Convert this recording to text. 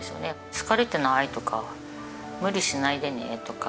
「疲れてない？」とか「無理しないでね」とか。